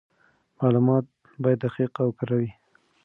معلومات باید دقیق او کره وي.